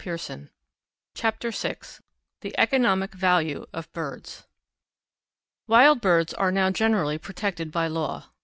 CHAPTER VI THE ECONOMIC VALUE OF BIRDS Wild birds are now generally protected by law.